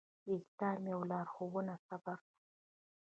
د اسلام يوه لارښوونه صبر ده.